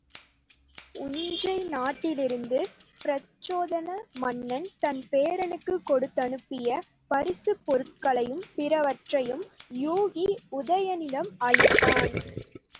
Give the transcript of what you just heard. உஞ்சை நாட்டிலிருந்து பிரச்சோதன மன்னன் தன் பேரனுக்குக் கொடுத்தனுப்பிய பரிசிற் பொருள்களையும் பிறவற்றையும் யூகி உதயணனிடம் அளித்தான்.